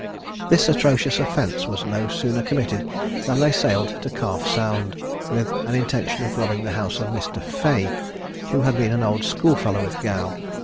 This atrocious offence was no sooner committed than they sailed to Calf Sound, with an intention of robbing the house of Mr. Fea, who had been an old school fellow with Gow.